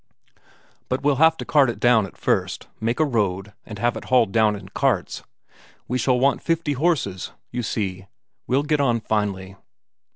But we'll have to cart it down at first; make a road, and have it hauled down in carts. We shall want fifty horses you see, we'll get on finely.